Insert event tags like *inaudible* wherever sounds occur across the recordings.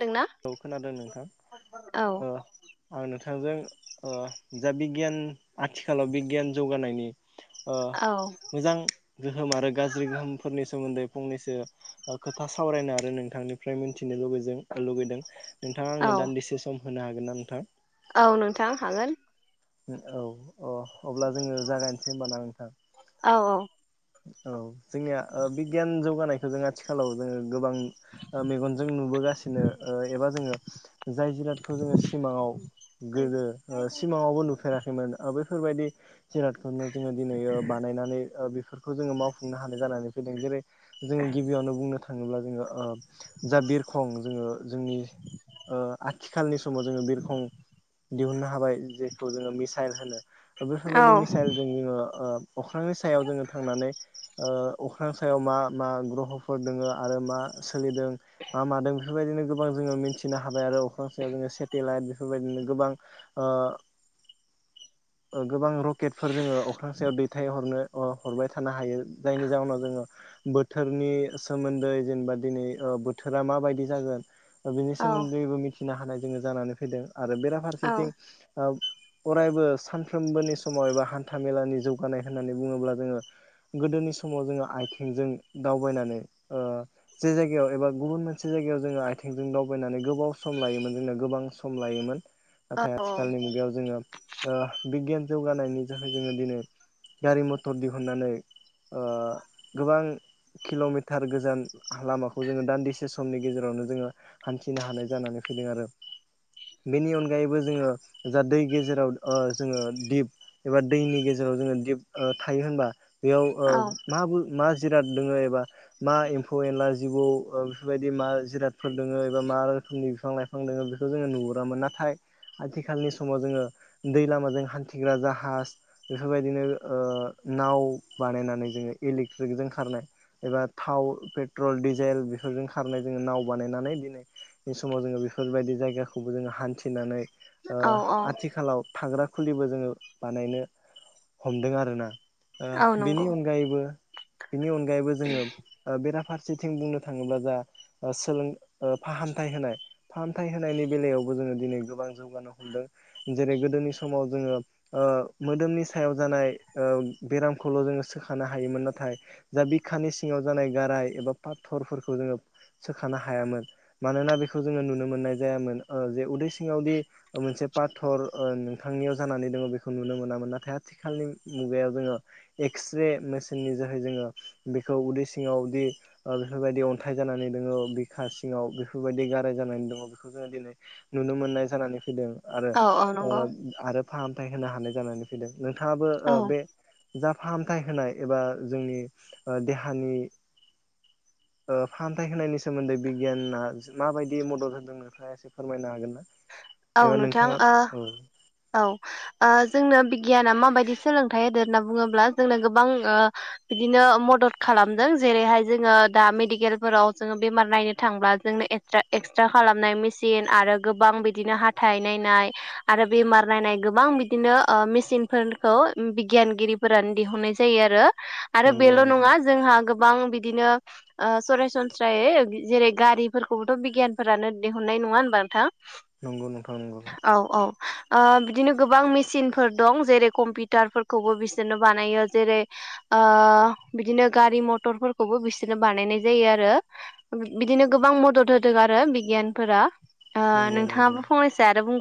दोंना औ खोनादों नोंथां औ ओ आं नोंथा थांजों ओ जा बिगियान आथिखालाव बिगियान जौगानायनि ओ औ मोजां गोहोम आरो गाज्रि गोहोमफोरनि सोमोन्दै फंनैसो ओ खोथा सावरायनो आरो नोंथांनिफ्राय मिथिनो लगैजों ओ लुगैदों नोंथाङा औ आंनो दान्दिसे सम होनो हागोन ना नोंथां औ नोंथां हागोन औ अ अब्ला जोङो जागायनोसै होमबा ना नोंथां औ औ औ जोंनिया ओ बिगियान जौगानायखौ जों आथिखालाव जोङो गोबां ओ मेगनजों नुबोगासिनो ओ एबा जोङो जाय जिराद खौ जोङो सिमाङाव गोदो सिमाङावबो नुफेराखैमोन ओ बेैफोरबायदि जिरादखौनो जोङो दिनै ओ बानायनानै बेफोरखौ जोङो मावफुंनो हानाय जानानै फैदों जेरै जोङो गिबियावनो बुंनो थाङोब्ला जोङो ओ जा बिरखं जोङो जोंनि ओ आथिखालनि समाव जोङो बिरखं दिहुननो हाबाय जेखौ जोङो मिसाइल होनो औ बेफोरबायदि मिसाइलजों जोङो ओ अख्रांनि सायाव जोङो थांनानै ओ अख्रां सायाव मा मा ग्रहफोर दोङो आरो मा सोलिदों मा मादों बेफोरबायदिनो गोबां जोङो मिथिनो हाबाय आरो अख्रां सायाव जोङो सेटेलाइट बेफोरबायदिनो गोबां ओ ओ *inaudible* ओ गोबां रकेटफोर जोङो अख्रां सायाव दैथायहरनो अ हरबाय थानो हायो जायनि जाउनाव जोङो बोथोरनि सोमोन्दै जेनेबा दिनै ओ बोथो थोरा माबायदि जागोन बिनि औ सोमोन्दैबो मिथिनो हानाय जोङो जानानै फैदों आरो औ बेराफारसेथिं ओ अरायबो सानफ्रोमबोनि समाव एबा हान्था मेलानि जौगानाय होननानै बुङोब्ला जोङो *inaudible* गोदोनि समाव जोङो आइथिंजों दावबायनानै ओ जे जायगायाव एबा गुबुन मोनसे जायगायाव जोङो आइथिंजों दावबायनानै गोबाव सम लायोमोन जोंना गोबां सम लायोमोन नाथाय आथिखालनि मुगायाव जोङो ओ बिगियान जौगानायनि जाहै जोङो दिनै गारि मथर दिहुननानै ओ गोबां किल'मिटार गोजान लामाखौ जोङो दान्दिसे समनि गेजेराव नो जो हान्थिनो हानाय जानानै फैदों आरो बेनि अनगायैबो जोङो जा दै गेजेराव ओ जोङो दिप एबा दैनि गेजेराव ओ जोङो दि ओ थायो होनबा याव औ ओ मा मा जिराद दङ एबा मा एम्फौ एनला जिबौ बेफोर बायदि मा जिरादफोर दोङो एबा मा रोखोमनि बिफां लाइफां दोङ बेखौ जोङो नुहुरामोन नाथाय आथिखालनि समाव जोङो दै लामाजों हान्थिग्रा जाहाज बेफोरबायदिनो ओ नाव बानायनानै जोङो इलेकट्रिक जों खारनाय एबा थाव पेट्रल डिजेल बेफोर फोरजों खारनाय जोङो नाव बानायनानै दिनैनि समाव जोङो बेफोरबायदि जायगाखौबो जोङो हान्थिनानै ओ औ आथिखालाव थाग्रा खुलिबो जोङो बानायनो हमदों आरोना ओ औ बेनि नंगौ अनगायैबो बिनि अनगायैबो जोङो ओ बेराफारसेथिं बुंनो थाङोब्ला जा ओ सोलों फाहामथाय होनाय फाहामथाय होनायनि बेलायावबो जोङो दिनै गोबां जौगानो हमदों जेरै गोदोनि समाव जोङो ओ मोदोमनि सायाव जानाय ओ बेरामखौल' जोङो सोखानो हायोमोन नाथाय जा बिखानि सिङाव जानाय गाराय एबा फाथरफोरखौ जोङो सोखानो हायामोन मानोना बेखौ जोङो नुनो मोननाय जायामोन ओ जे उदै सिङावदि मोनसे पाथर नोंथांनियाव जानानै दङ बेखौ नुनो मोनामोन नाथाय आथिखालनि मुगायाव जोङो एक्स रे मेसिननि जोहै जोङो बेखौ उदै सिङावदि ओ बेफोरबायदि अन्थाइ जायो जानानै दङ बिखा सिङाव बेफोरबायदि गाराय जानानै दङ बेखौ जोङो दिनै नुनो मोननाय जानानै फैदों आरो औ औ ओ नंगौ आरो फाहामथाय होनो हानाय जानानै फैदों नोंथाङाबो औ ओ बे जा फाहामथाय होनाय एबा जोंनि ओ देहानि *unintelligible* ओ फाहामथाय होनायनि सोमोन्दै बिगियाना माबायदि मदद होदों नोंथिंआ एसे फोरमायनो हागोन ना औ एबा नोंथां नोंथाङा ओ औ औ ओ जोंना बि गियाना माबायदि सोलोंथाइ होदो होनना बुङोब्ला जोंनो गोबां ओ बिदिनो मदद खालामदों जेरैहाय जोङो दा मेडिकेलफोराव जोङो बेमार नायनो थांब्ला जोंनो एक्सट्रा एक्सट्रा खालामनाय मेसि न आरो गोबां बिदि बिदिनो हाथाय नायनाय आरो बेमार नायनाय गोबां बिदिनो ओ मेसिनफोरखौ बि गियानगिरिफोरानो दिहुननाय जायो आरो आरो नंगौ बेल' नंगौ नङा जोंहा गोबां बिदिनो ओ सासनस्रायै जेरै गारिफोरखौबोथ' बिगियानफोरानो दिहुनाय नङा होनबा नोंथां नंगौ नंथां नंगौ औ औ ओ बिदिनो गोबां मेचनफोर दं जेरै कम्पिउटारफोरखौबो बिसोरनो बानायो जेरै ओ बिदिनो गारि मथरफोरखौबो बिसोरनो बानायनाय जायो आरो बिदिनो गोबां मदद होदों आरो बिगियानफोरा ओ नंगौ नंगौ नोंथाङाबो *unintelligible*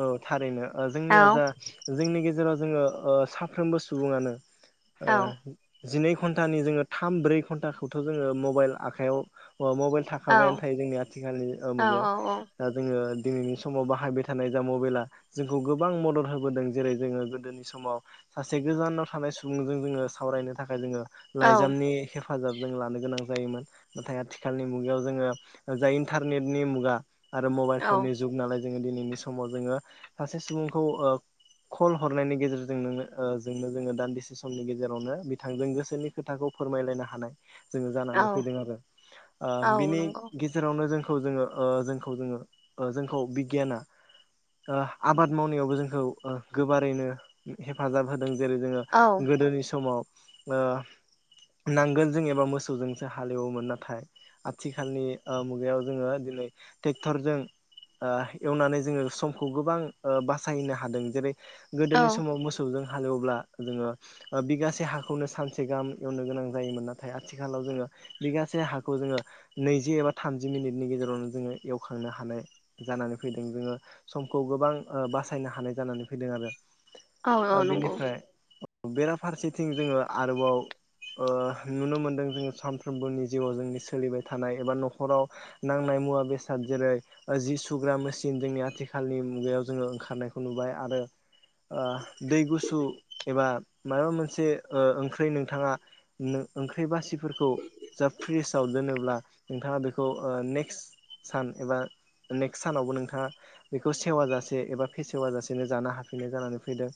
औ थारैनो ओ औ जोंनिया जा जोंनि गेजेराव जोङो ओ साफ्रोमबो सुबुङानो ओ औ जिनै घन्टानि जोङो थाम ब्रै घन्टाखौथ' जोङो मबाइल आखाइयाव मबाइल औ थाखाबायानो थायो जोंनि आथिखालनि ओ औ मुगायाव दा जोङो दिनैनि समाव बाहाय थानाय जा मबाइला जोंखौ गोबां मदद होबोदों जेरै जोङो गोदोनि समाव सासे गोजानाव थानाय सुबुंजों जोङो सावरायनो थाखाय जोङो औ लाइजामनि हे फाजाब जों लानो गोनां जायोमोन नाथाय आथिखालनि मुगायाव जोङो जाय इन्टारनेटनि मुगा आरो मबाइल औ फननि जुग नालाय जोङो दिनैनि समाव जोङो सासे सुबुंखौ ओ कल हरनायनि गेजेरजोंनो जोंनो जोङो दान्दिसे समनि गेजेरावनो बिथांजों गोसोनि खोथाखौ फोरमायलायनो हानाय जोङो जानानै औ फैदों आरो ओ औ बिनि नंगौ गेजेरावनो जों खौ जोङो ओ जोंखौ जोङो ओ जोंखौ बिगियाना ओ आबाद मावनायावबो जोंखौ ओ गोबारैनो हेफाजाब होदों जों जेरै जोङो औ गोदोनि समाव आ नांगोल जों एबा मोसौजोंसो हालेवोमोन नाथाय आथिखालनि मुगायाव जोङो ट्रेक्टरजों एवनानै जोङो समखौ गोबां बासायनो हादों जेरै औ गोदोनि समाव मोसौ जों हालेवब्ला जोङो बिगासे हाखौनो सानसे गाहाम एवनो गोनां जायोमोन नाथाय आथिखालाव जोङो बिगासे हाखौ जोङो नैजि एबा थामजि मिनिटनि गेजेरावनो जोङो एवखांनो हानाय जानानै फैदों जोङो समखौ गोबां बासायनो हानाय जानानै फैदों आरो औ औ ओ नंगौ बेनिफ्राय बेराफारसेथिं जोङो आरोबाव ओ नुनो मोनदों जोङो सानफ्रोमबोनि जिउआव जोंनि सोलिबाय थानाय एबा न'खराव नांनाय मुवा बेसाद जेरै जि सुग्रा मेसिन जोंनि आथिखालनि मुगायाव जोङो ओंखारनायखौ नुबाय आरो आ दै गुसु एबा माबा मोनसे ओंख्रि नोंथाङा ओंख्रि बासिफोरखौ जा फ्रिजाव दोनोब्ला नोंथाङा बेखौ नेक्स्ट सान एबा नेक्स्ट सानावबो नोंथाङा बेखौ सेवा जासे एबा फेसेवा जासेनो जानो हाफिननाय जानानै फैदों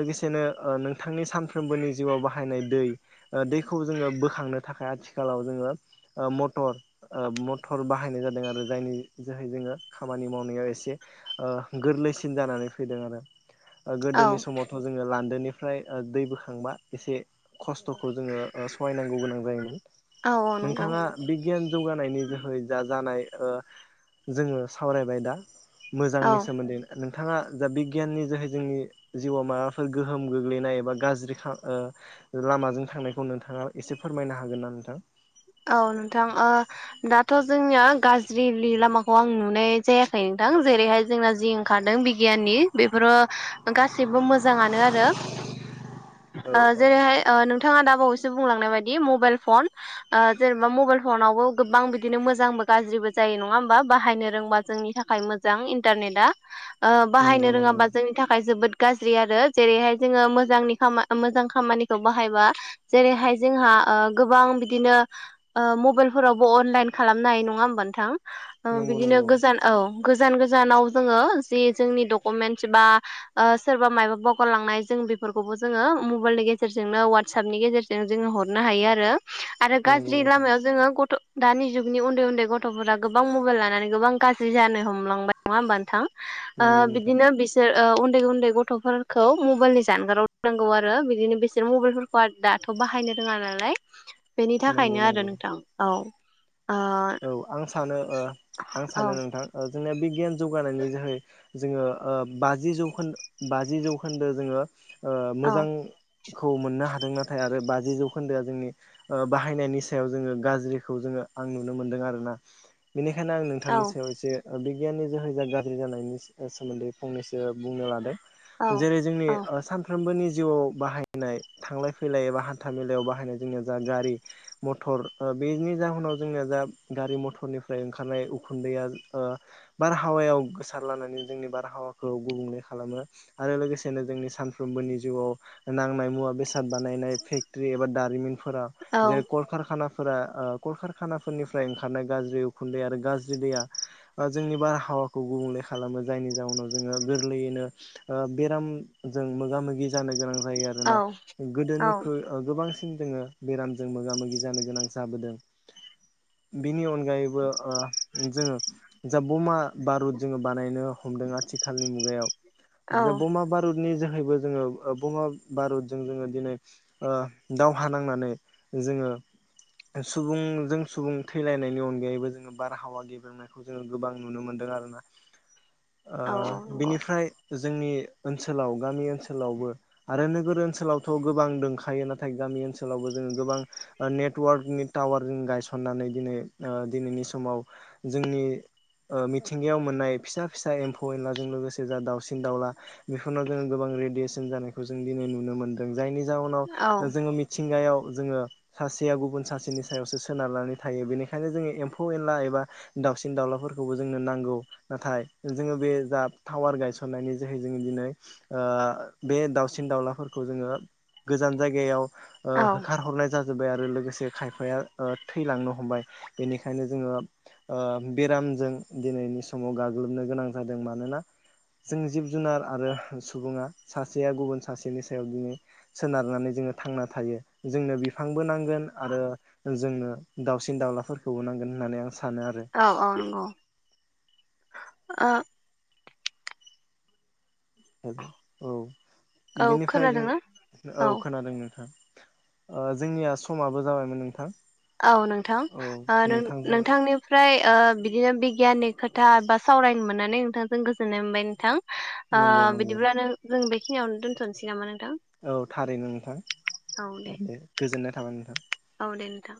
लोगोसेनो नोंथांनि सानफ्रोमबोनि जिउआव बाहायनाय दै दैखौ जोङो बोखांनो थाखाय आथिखालाव जोङो मटर मटर बाहायनाय जादों आरो जायनि जोहै जोङो खामानि मावनायाव एसे गोरलैसिन जानानै फैदों आरो औ गोदोनि समावथ' जोङो लान्देन निफ्राय दै बोखांबा एसे खस्थ'खौ जोङो सहायनांगौ गोनां जायोमोन। औ औ नंगौ नोंथाङा बिगियान जौगानायनि जोहै जा जानाय जोङो सावरायबाय दा औ मोजांनि सोमोन्दै नों थाङा जा बिगियाननि जोहै जोंनि जिउआव माबाफोर गोहोम गोग्लैनाय एबा गाज्रि लामाजों थांनायखौ नोंथाङा एसे फोरमायनो हागोन ना नोंथां थ' जोंनिया गाज्रि लामाखौ आं नुनाय जायाखै नोंथां जेरैहाय जोंना जि ओंखारदों बिगि यान बेफोर गाससिबो मोजांनो आरो जेरैहाय नोंथाङा दा बावैसो बुंलांनाय बायदि मबाइल फन जेनेबा मबाइल फनावबो गोबां बिदिनो मोजांबो गाज्रिबो जायो नङा होमबा बाहायनो रोंबा जोंनि था खाय मोजां इन्टारनेटआ नंगौ बाहायनो नंगौ रोङाबा जोंनि थाखाय जोबोद गाज्रि आरो जेरैहाय जोङो मोजांनि मोजां खामानिखौ बाहायबा जेरैहाय जोंहा गोबां बिदिनो मबाइलफोरावबो अनलाइन खालामनाय नङा होमबा नोंथां नंगौ बिदिनो नंगौ गोजान औ गो जान गोजानाव जोङो जि जोंनि दकमेन्स बा सोरबा मायबा बगारलांनाय जों बेफोरखौबो जोङो मबाइलनि गेजेरजोंनो वाटसेपनि गेजेरजों जोङो हरनो हायो आरो आरो नंगौ गाज्रि नोंथां लामायाव जोङो गथ' दानि जुगनि उन्दै उन्दै गथ'फोरा गोबां मबाइल लानानै गोबां गाज्रि जानो हमलांबाय नङा होमबा नोंथां आ नंगौ नोंथां बिदिनो बिसोर उन्दै उन्दै गथ'फोरखौ मबाइलनि जानगारावांगौ आरो बिदिनो बेसोर मबाइलफोरखौ दाथ' बाहायनो रोङा नालाय बेनि नंगौ थाखायनो आरो नंगौ नोंथां औ ओ औ आं सानो आं औ सानो नोंथां जोंनिया बिगियान जौगानायनि जोै जोङो बाजि जौखोन्दो बाजि जौखोन्दो जोङो ओ औ मोजां खौ मोननो हादों नाथाय आरो बाजि जौखोन्दोआ जोंनि बाहायनायनि सायाव जोङो गाज्रिखौ जोङो आं नुनो मोनदों आरोोयना बेनिखायनो आं औ नोंथांनि सायाव एसे बिगियाननि जोहैजो गाज्रि जानायनि सोमोन्दै फंनैसो बुंनो लादों जेरै जोंनि औ सानफ्रोमबोनि जिउआव बाहायनाय थांलाय फैलाय एबा हान्था मेलायाव बाहायनाय जोंनिया जा गारि मथर बेनि जाहोनाव जोंना जा गारि मथरनिफ्राय ओंखारनाय उखुन्दैया बारहावायाव गोसार लानानै जोंनि बारहावाखौ गुबुंले खालामो आरो लोगोसेनो जोंनि सानफ्रोमबोनि जिउआव नांनाय मुवा बेसाद बानायनाय फेक्ट्रि एबा दारिमिनफोराव औ जेरै कल खारकानाफोरा ओ कल खार- खानाफोरनिफ्राय ओंखारनाय गाज्रि उखुन्दै आरो गाज्रि दैया ओ जोंनि बारहावाखौ गुबुंले खालामो जायनि जावनाव जोङो गोरलैयैनो ओ बेरामजों मोगा मोगि जानोगोनां जायो आरोना औ गोदोनिख्रुइ ओ गोबां सिन जोङो बेरामजों मोगा मोगि जानो गोनां जाबोदों *inaudible* बिनि अनगायैबो ओ जोङो जा बमा बारुद जोङो बानायनो हमदों आथिखालनि औ मुगायावा बमा बारुदनि जोहै बो जोङो ओ बमा बारुदजों जोङो दिनै ओ दावहा नांनानै जोङो ए सुबुंजों सुबुं थैलायनायनि अनगायैबो जोङो बारहावा गेबेंनायखौ जोङो गोबां नुनो मोनदों आरोना *inaudible* ओ औ नंगौ बिनिफ्राय जोंनि ओनसोलाव गामि ओनसोलावबो आरो नोगोर ओनसोलावथ' गोबां दोंखायो नाथाय गामि गामि ओनसोलावबो जोङो गोबां नेटवार्कनि टावार जों गायसननानै दिनै ओ दिनैनि समाव जोंनि ओ मिथिंगायाव मोननाय फिसा फिसा एम्फौ एनलाजों लोगोसे जा दाउसिन दाउला बेफोरानाव जों गोबां रेडिये'सन जानायखौ जों दिनै नुनो मोनदों जायनि जावनाव ओ औ जोङो मिथिंगायाव जोङो सासेया गुबुन सासेनि सायावसो सोनारनानै थायो बेनिखायनो जोङो एम्फौ एनला एबा दाउसिन दाउलाफोरखौबो जोंनो नांगौ नाथाय जोङो बे जा टावार गायसननायनि जोहै जोङो ओ दिनै बे दाउसिन दाउलाफोरखौ जोङो गोजान जायगायाव ओ औ होखारहरनाय जाजोब्बाय आरो लोगोसे खायफाया ओ थैलांनो हमबाय बेनिखायनो जोङो ओ बेरामजों दिनैनि समाव गाग्लोबनो गोनां जादों मानोना जों जिब जुनार आरो सुबुङा सासेया गुबुन सासेनि सायाव दिनै सोनारनानै जोङो थांना थायो जोंनो बिफांबो नांगोन आरो जोंनो दाावसिन दाउलाफोरखौबो नांगोन होननानै आं सानो आरो औ औ नंगौ ओ हेलौ औ बेनिफ्राय जों औ खोनादों नोंथां ओ जोंनिया समाबो जाबायमोन नोंथां औ नोंथां औ ओ नों नोंथांजों नोंथांनिफ्राय ओ बिदिनो बिगियाननि खोथा बा सावरायनो मोननानै नोंथांजों गोजोननाय मोनबाय नोंथां ओ नंगौ नंगौ बिदिबानो जों बेखिनियावनो दोनथ'नोसै नामा नोंथां औ थारैनो नोंथां दे गोजोननाय थाबाय नोंथां औ दे नोंथां